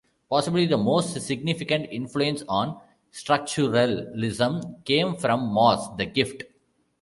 Possibly the most significant influence on structuralism came from Mauss' "The Gift".